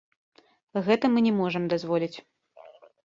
Гэта мы не можам дазволіць.